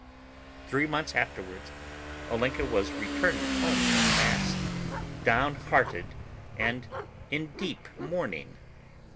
Three months afterwards Olenka was returning home from mass, downhearted and in deep mourning.